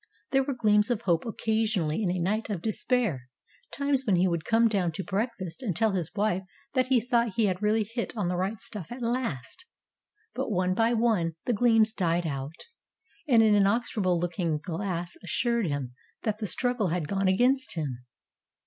There were gleams of hope occasionally in a night of despair times when he would come down to breakfast and tell his wife that he thought he had really hit on the right stuff at last. But one by one the gleams died out, and an inexorable looking glass assured him that the struggle had gone against him.